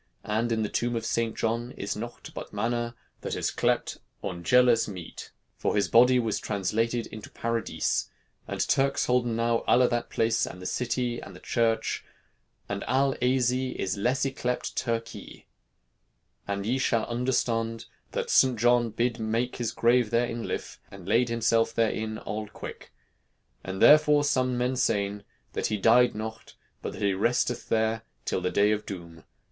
And in the tombe of Seynt John is noughte but manna, that is clept Aungeles mete. For his body was translated into Paradys. And Turkes holden now alle that place and the citee and the Chirche. And all Asie the lesse is yclept Turkye. And ye shalle undrestond, that Seynt Johne bid make his grave there in his Lyf, and leyd himself there inne all quyk. And therefore somme men seyn, that he dyed noughte, but that he resteth there till the Day of Doom.